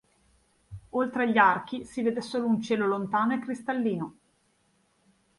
Oltre gli archi si vede solo un cielo lontano e cristallino.